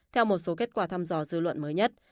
theo một số kết quả thăm dò dư luận mới nhất